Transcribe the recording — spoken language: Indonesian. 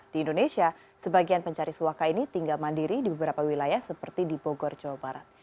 di indonesia sebagian pencari suaka ini tinggal mandiri di beberapa wilayah seperti di bogor jawa barat